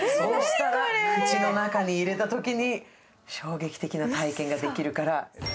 口の中に入れたときに衝撃的な体験ができるから。